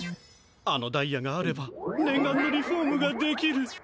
あのダイヤがあればねんがんのリフォームができる。